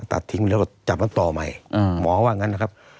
ตัดทิ้งแล้วก็จับมันต่อใหม่หมอว่างั้นนะครับ